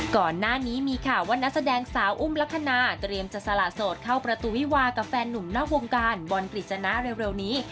ก่อนหน้านี้มีข่าวว่านักแสดงสาวอุ้มลักษณะเตรียมจะสละโสดเข้าประตูวิวากับแฟนหนุ่มนอกวงการบอลกฤษณะเร็วนี้